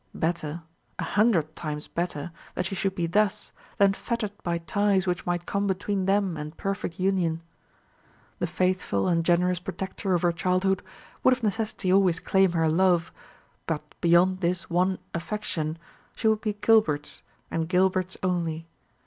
Better, a hundred times better, that she should be thus, than fettered by ties which might come between them and perfect union. The faithful and generous protector of her childhood would of necessity always claim her love; but beyond this one affection, she would be Gilbert's, and Gilbert's only.